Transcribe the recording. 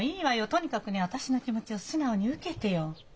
とにかくね私の気持ちを素直に受けてよ。